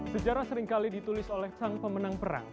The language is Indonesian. sejarah seringkali ditulis oleh sang pemenang perang